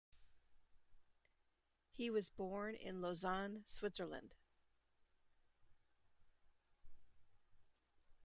He was born in Lausanne, Switzerland.